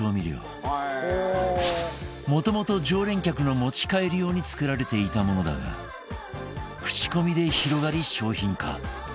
もともと常連客の持ち帰り用に作られていたものだが口コミで広がり商品化